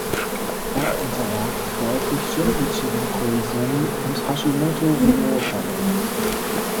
Er unterlag deutlich Jun’ichirō Koizumi und Hashimoto Ryūtarō.